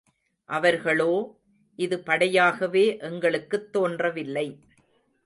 அவர்களோ, இது படையாகவே எங்களுக்குத் தோன்றவில்லை.